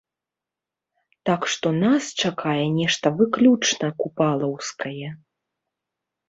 Так што нас чакае нешта выключна купалаўскае.